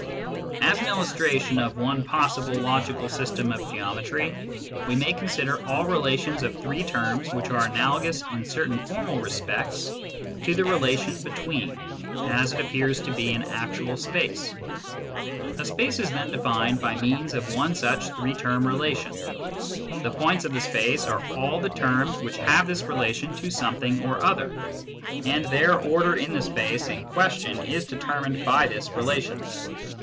As an illustration of one possible logical system of geometry we may consider all relations of three terms which are analogous in certain formal respects to the relation " between " as it appears to be in actual space. A space is then defined by means of one such three term relation. The points of the space are all the terms which have this relation to something or other, and their order in the space in question is determined by this relation.